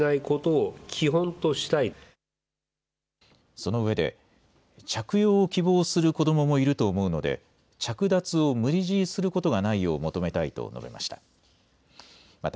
その上で、着用を希望する子どももいると思うので、着脱を無理強いすることがないよう求めたいと述べました。